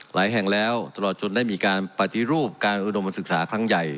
หลายแห่งแล้วสะดวกตอนนั้นได้มีการปฏิรูปการอุดโดมรับศึกษาขั้งใหญ่